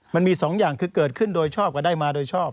มันมี๒อย่างก็คือเกิดขึ้นตรงด้วยชอบการได้มาตรงด้วยชอบ